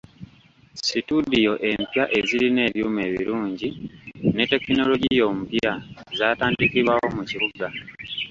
Situdiyo empya ezirina ebyuma ebirungi ne tekinologiya omupya zaatandikibwawo mu kibuga.